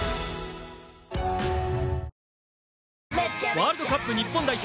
ワールドカップ日本代表